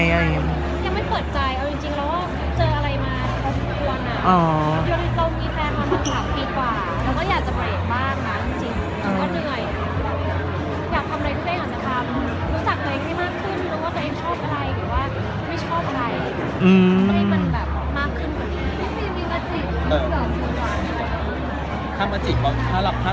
มันยังไม่กินอะไรประมาณนั้น